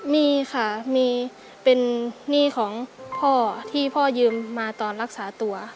มีค่ะมีเป็นหนี้ของพ่อที่พ่อยืมมาตอนรักษาตัว